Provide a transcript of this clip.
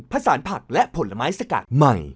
สารผักและผลไม้สกัดใหม่